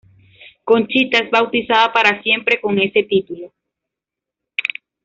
Conchita es bautizada para siempre con ese título.